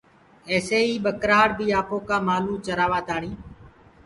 ايسي ئيٚ ٻڪرآڙ بي آپوڪآ مآلوُ چآرآ تآڻي